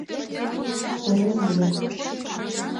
— Корем уло.